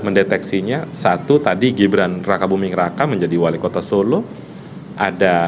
mendeteksinya satu tadi gibran raka buming raka menjadi wali kota solo ada